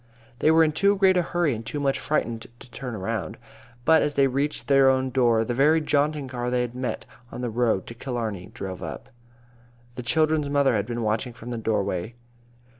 They were in too great a hurry and too much frightened to turn around. But as they reached their own door, the very jaunting car they had met on the road to Killarney drove up. The children's mother had been watching from the doorway.